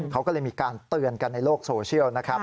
เขาก็เลยมีการเตือนกันในโลกโซเชียลนะครับ